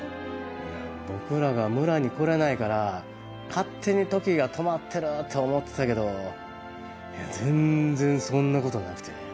僕らが村に来れないから、勝手に時が止まってるって思ってたけど、いや、全然そんなことなくて。